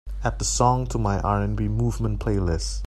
Add the song to my R&B Movement playlist.